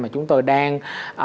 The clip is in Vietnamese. mà chúng tôi đang